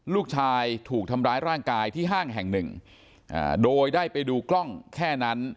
ลูกชายถูกทำร้ายร่างกายที่ห้างแห่งหนึ่งโดยได้ไปดูกล้องแค่นั้น